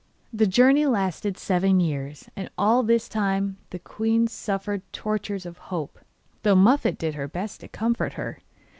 The journey lasted seven years, and all this time the queen suffered tortures of hope, though Muffette did her best to comfort her.